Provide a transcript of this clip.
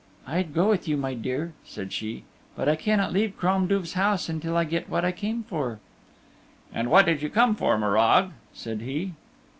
"I'd go with you, my dear," said she, "but I cannot leave Crom Duv's house until I get what I came for." "And what did you come for, Morag?" said he.